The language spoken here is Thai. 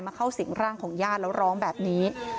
เข้าสิ่งร่างของญาติแล้วร้องแบบนี้